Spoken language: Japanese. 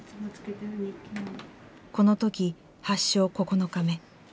この時発症９日目。